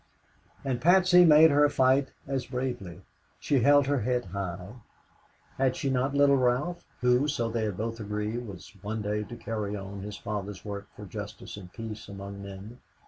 And Patsy made her fight as bravely. She held her head high. Had she not little Ralph, who, so they had both agreed, was one day to carry on his father's work for justice and peace among men?